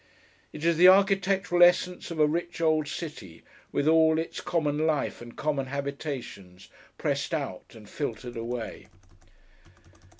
It is the architectural essence of a rich old city, with all its common life and common habitations pressed out, and filtered away.